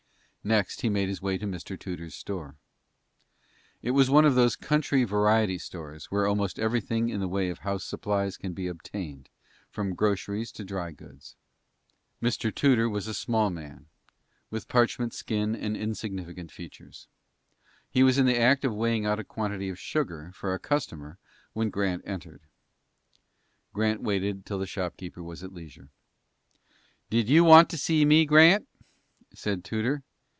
Next he made his way to Mr. Tudor's store. It was one of those country variety stores where almost everything in the way of house supplies can be obtained, from groceries to dry goods. Mr. Tudor was a small man, with a parchment skin and insignificant features. He was in the act of weighing out a quantity of sugar for a customer when Grant entered. Grant waited till the shopkeeper was at leisure. "Did you want to see me, Grant?" said Tudor.